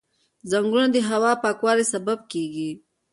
ځنګلونه د هوا پاکوالي سبب کېږي.